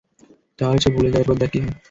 যা হয়েছে ভুলে যা এরপর দেখ কী হয়।